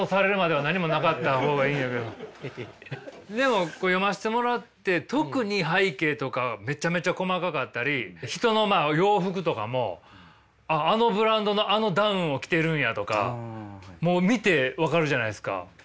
でも読ませてもらって特に背景とかはめちゃめちゃ細かかったり人の洋服とかもあのブランドのあのダウンを着てるんやとかもう見て分かるじゃないですか。